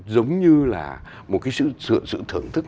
giống như là một cái sự thưởng thức